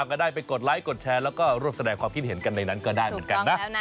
ก็ได้ไปกดไลคดแชร์แล้วก็ร่วมแสดงความคิดเห็นกันในนั้นก็ได้เหมือนกันนะ